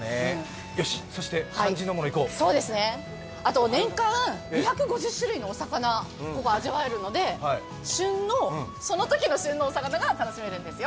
そして肝心のもの、いこう年間２５０種類のお魚を味わえるのでそのときの旬のお魚が楽しめるんですよ。